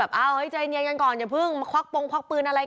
แรกเราดูว่าเป็นรถของคนที่เอาปืนมายิงขู่ขึ้นฟ้าหรือเปล่า